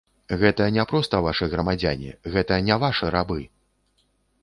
Гэта не проста вашы грамадзяне, гэта не вашы рабы.